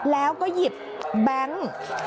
แล้วก็หยิบแบงค์